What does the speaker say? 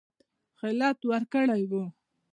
خلعت ورکړی وو.